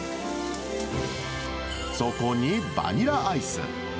そこにバニラアイス。